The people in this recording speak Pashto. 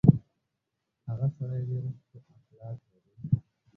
هغه سړی ډېر شه اخلاق لري.